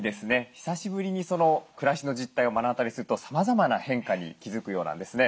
久しぶりに暮らしの実態を目の当たりにするとさまざまな変化に気付くようなんですね。